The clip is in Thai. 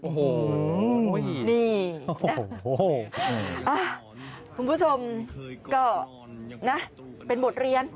โอ้โฮนี่นะอ้าวคุณผู้ชมก็นะเป็นหมดเรียน